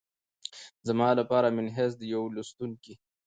زما لپاره منحیث د یوه لوستونکي